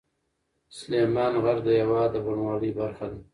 سلیمان غر د هېواد د بڼوالۍ برخه ده.